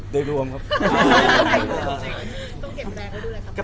บอกว่าพ่อเขาก้น